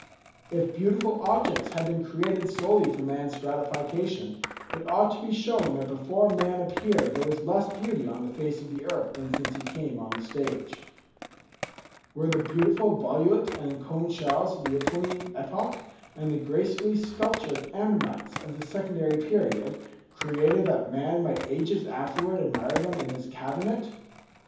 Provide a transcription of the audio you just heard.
If beautiful objects had been created solely for man's gratification, it ought to be shown that before man appeared there was less beauty on the face of the earth than since he came on the stage. Were the beautiful volute and cone shells of the Eocene epoch, and the gracefully sculptured ammonites of the Secondary period, created that man might ages afterwards admire them in his cabinet?